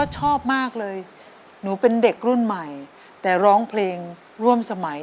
ชอบมากเลยหนูเป็นเด็กรุ่นใหม่แต่ร้องเพลงร่วมสมัย